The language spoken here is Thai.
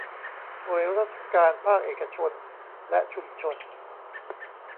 หน่วยงานราชการภาคเอกชนและชุมชน